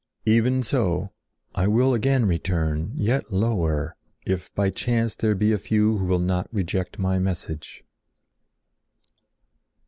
Even so, I will again return, yet lower, if by chance there be a few who will not reject my message."